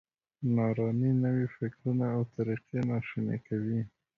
نا ارامي نوي فکرونه او طریقې ناشوني کوي.